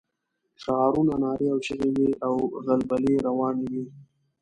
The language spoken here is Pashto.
شعارونه، نارې او چيغې وې او غلبلې روانې وې.